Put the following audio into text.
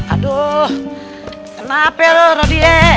aduh kenapa ya lo rodia